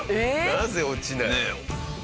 なぜ落ちない？ねえ。